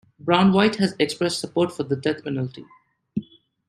Brown-Waite has expressed support for the death penalty.